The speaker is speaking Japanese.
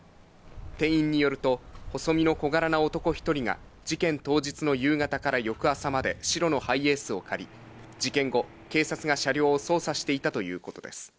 店員によると、細身の小柄な男１人が、事件当日の夕方から翌朝まで白のハイエースを借り、事件後、警察が車両を捜査していたということです。